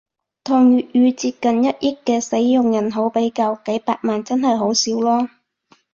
同粵語接近一億嘅使用人口比較，幾百萬真係好少囉